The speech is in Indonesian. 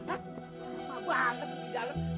apa banget lu di dalam